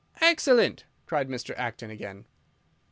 "Excellent!" cried Mr. Acton again.